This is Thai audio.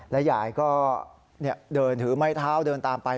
ยายก็เดินถือไม้เท้าเดินตามไป